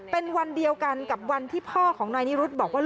เป็นวันเดียวกันกับวันที่พ่อของนายนิรุธบอกว่า